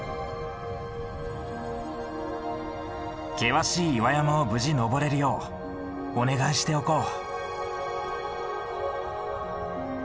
険しい岩山を無事登れるようお願いしておこう。